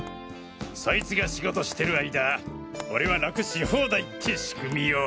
そいつが仕事してる間俺はラクし放題って仕組みよ！